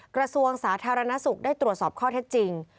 กระทรวงสาธารณสุขได้ตรวจสอบข้อเท็จจริง